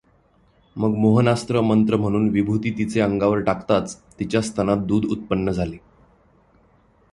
मग मोहनास्त्र मंत्र म्हणून विभूति तिचे अंगावर टाकताच, तिच्या स्तनात दूध उत्पन्न झाले.